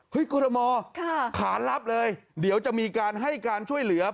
เฮ้ยกมค่ะถานรับเลยเดี๋ยวจะมีการให้การช่วยเหลือ